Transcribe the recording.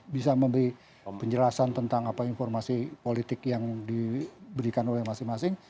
bisa memberi penjelasan tentang apa informasi politik yang diberikan oleh masing masing